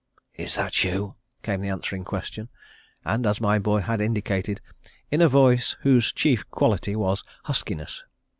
"Is that you?" came the answering question, and, as my boy had indicated, in a voice whose chief quality was huskiness.